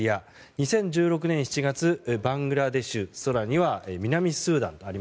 ２０１６年７月、バングラデシュ更には南スーダン。